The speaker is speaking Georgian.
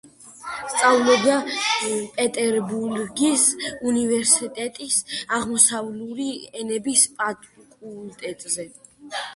სწავლობდა პეტერბურგის უნივერსიტეტის აღმოსავლური ენების ფაკულტეტზე.